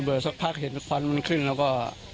ระเบิดสักพักเห็นควันขึ้นแล้วก็